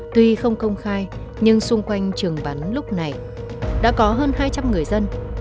tuy không công khai nhưng xung quanh trường bắn lúc này đã có hơn hai trăm linh người dân